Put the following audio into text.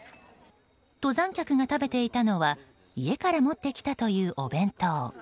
登山客が食べていたのは家から持ってきたというお弁当。